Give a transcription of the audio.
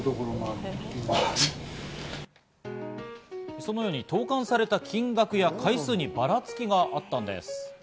そのように、投函された金額や回数にばらつきがあったんです。